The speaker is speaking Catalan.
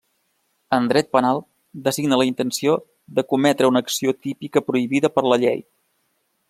En dret penal designa la intenció de cometre una acció típica prohibida per la llei.